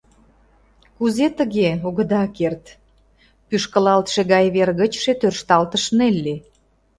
— Кузе тыге, огыда керт? — пӱшкылалтше гай вер гычше тӧршталтыш Нелли.